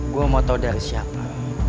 gue mau tahu dari siapa